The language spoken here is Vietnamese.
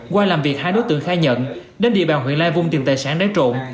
qua làm việc hai đối tượng khai nhận đến địa bàn huyện lai vung tiền tài sản đáy trộn